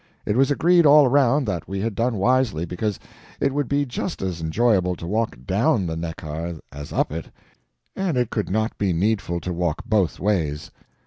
It was agreed all around that we had done wisely, because it would be just as enjoyable to walk DOWN the Neckar as up it, and it could not be needful to walk both ways.